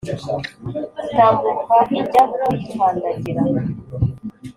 itambuka ijya kuyikandagira.